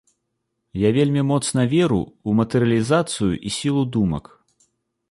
Я вельмі моцна веру ў матэрыялізацыю і сілу думак.